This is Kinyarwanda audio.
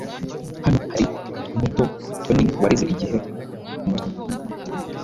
Hano hari muto Toni warize igihe umutwe we,